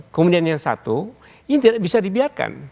kemudian yang satu ini tidak bisa dibiarkan